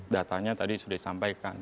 datanya tadi sudah disampaikan